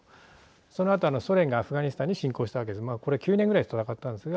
そのあとソ連がアフガニスタンに侵攻したわけですがこれ９年ぐらい戦ったんですが